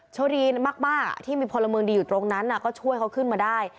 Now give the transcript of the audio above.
โชคดีมากที่มีพลเมืองดีอยู่ตรงนั้นก็ช่วยเขาขึ้นมาได้